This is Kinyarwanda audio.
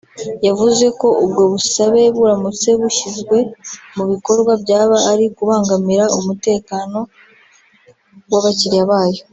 yavuze ko ubwo busabe buramutse bushyizwe mu bikorwa byaba ari ukubangamira umutekano w’abakiriya bayo